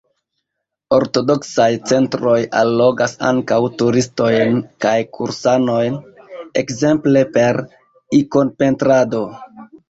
Ortodoksaj centroj allogas ankaŭ turistojn kaj kursanojn, ekzemple per ikonpentrado.